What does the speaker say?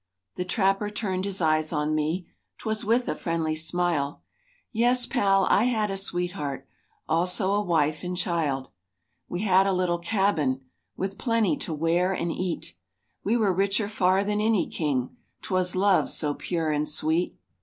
The trapper turned his eyes on me, 'Twas with a friendly smile:— "Yes, Pal, I had a sweetheart, Also a wife and child. We had a little cabin, With plenty to wear and eat; We were richer far than any king, 'Twas love so pure and sweet.